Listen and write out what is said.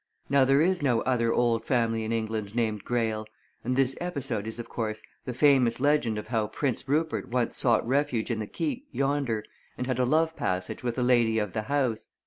Now there is no other old family in England named Greyle, and this episode is of course, the famous legend of how Prince Rupert once sought refuge in the Keep yonder and had a love passage with a lady of the house.